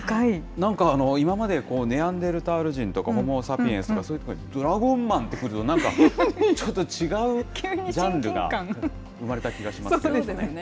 なんか今まで、ネアンデルタール人とか、ホモ・サピエンスとか、それにドラゴンマンと来ると、なんかちょっと違うジャンルが生まそうですね。